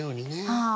はい。